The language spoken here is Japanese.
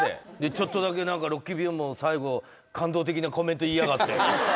ちょっとだけ何かロッキー・ビョンも最後感動的なコメント言いやがって。